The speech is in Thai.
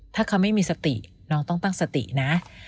ถ้าเขาไม่มีสติน้องต้องตั้งสตินะ